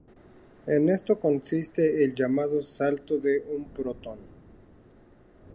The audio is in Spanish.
En esto consiste el llamado "salto" de un protón.